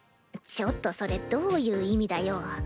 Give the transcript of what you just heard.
ちょっとそれどういう意味だよ？